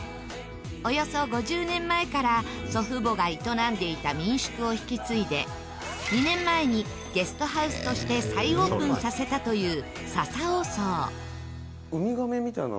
およそ５０年前から祖父母が営んでいた民宿を引き継いで２年前にゲストハウスとして再オープンさせたというｓａｓａｏｓｏｕ。